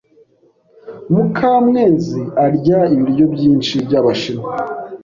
Mukamwezi arya ibiryo byinshi byabashinwa.